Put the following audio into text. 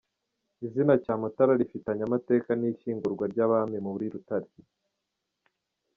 Izina Cyamutara rifitanye amateka n’ishyingurwa ry’abami muri Rutare.